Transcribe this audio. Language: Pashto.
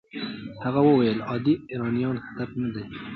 هغه وویل عادي ایرانیان هدف نه دي.